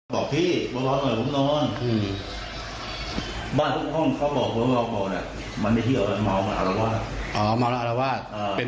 บอกพี่บอกหน่อยผมนอน